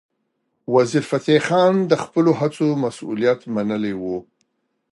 وزیرفتح خان د خپلو هڅو مسؤلیت منلی و.